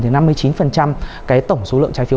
thì năm mươi chín cái tổng số lượng trái phiếu